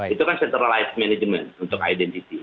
itu kan centralized management untuk identity